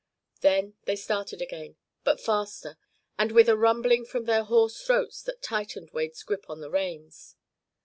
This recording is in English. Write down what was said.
Then they started again, but faster, and with a rumbling from their hoarse throats that tightened Wade's grip on the reins.